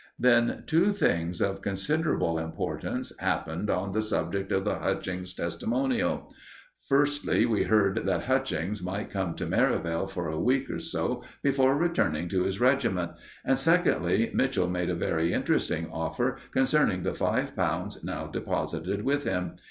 Then two things of considerable importance happened on the subject of the Hutchings Testimonial. Firstly, we heard that Hutchings might come to Merivale for a week or so before returning to his regiment; and, secondly, Mitchell made a very interesting offer concerning the five pounds now deposited with him.